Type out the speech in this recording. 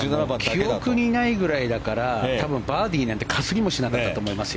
記憶にないぐらいだから多分、バーディーなんてかすりもしなかったと思います。